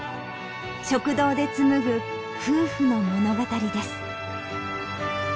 食堂で紡ぐ夫婦の物語です。